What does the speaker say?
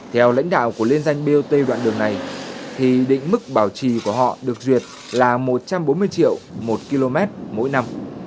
theo lãnh đạo của liên danh bot đoạn đường này thì định mức bảo trì của họ được duyệt là một trăm bốn mươi triệu một km mỗi năm